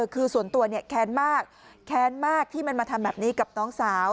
คือส่วนตัวเนี่ยแค้นมากแค้นมากที่มันมาทำแบบนี้กับน้องสาว